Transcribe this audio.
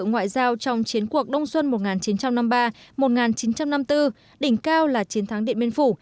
ngoại giao trong chiến cuộc đông xuân một nghìn chín trăm năm mươi ba một nghìn chín trăm năm mươi bốn đỉnh cao là chiến thắng điện biên phủ